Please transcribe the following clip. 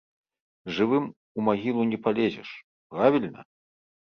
Жывым у магілу не палезеш, правільна?